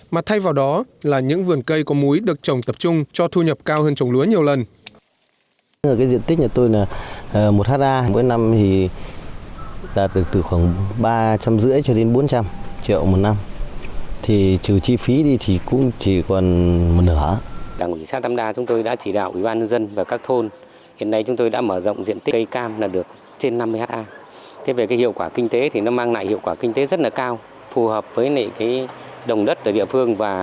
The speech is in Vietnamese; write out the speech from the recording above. mà thay vào đó là những vườn cây có múi được trồng tập trung cho thu nhập cao hơn trồng lúa nhiều lần